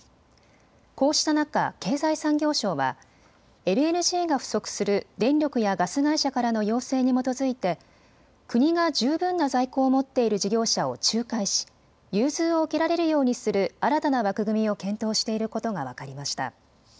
こうした中、経済産業省はＬＮＧが不足する電力やガス会社からの要請に基づいて国が十分な在庫を持っている事業者を仲介し融通を受けられるようにする新たな枠組みを検討していることが分かりました。